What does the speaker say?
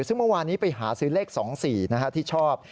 ซึ่งเมื่อวานนี้ไปหาซื้อเลข๒๔ที่ชอบ